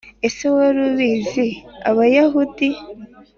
Ese wari ubizi Abayahudi